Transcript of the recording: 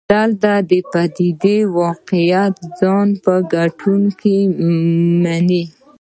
دلته د پدیدې واقعیت ځان په کتونکو مني.